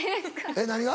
えっ何が？